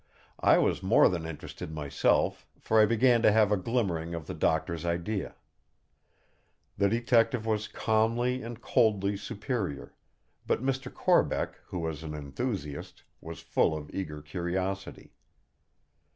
I was more than interested myself, for I began to have a glimmering of the Doctor's idea. The Detective was calmly and coldly superior; but Mr. Corbeck, who was an enthusiast, was full of eager curiosity.